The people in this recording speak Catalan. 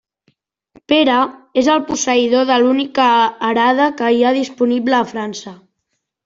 Pere és el posseïdor de l'única arada que hi ha disponible a França.